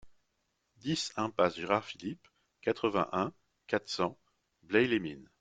dix impasse Gérard Philipe, quatre-vingt-un, quatre cents, Blaye-les-Mines